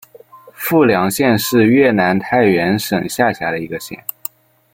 富良县是越南太原省下辖的一个县。